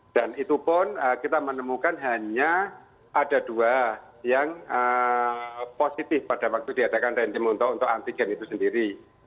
dan itu pun kita menemukan hanya ada dua yang positif pada waktu diadakan random untuk antigen itu sendiri